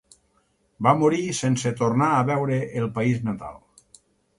Va morir sense tornar a veure el país natal.